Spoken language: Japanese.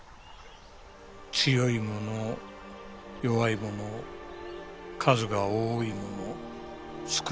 強いもの弱いもの数が多いもの少ないもの。